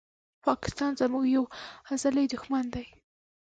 پاکستان زموږ یو ازلې دښمن دي